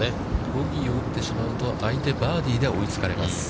ボギーを打ってしまうと相手にバーディーで追いつかれます。